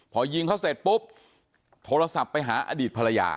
พอยิงเขาเสร็จปุ๊บโทรศัพท์ไปหาอดีตภรรยา